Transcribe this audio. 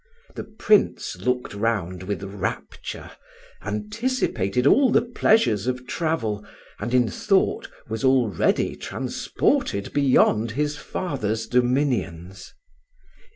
The Prince looked round with rapture, anticipated all the pleasures of travel, and in thought was already transported beyond his father's dominions.